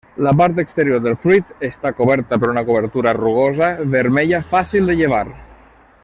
La part exterior del fruit està coberta per una cobertura rugosa vermella fàcil de llevar.